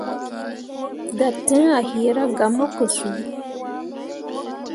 Dattǝǝre a yiira gah mo ke suu.